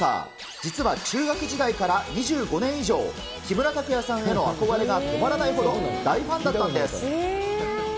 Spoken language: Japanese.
実は中学時代から２５年以上、木村拓哉さんへの憧れが止まらないほど大ファンだったんです。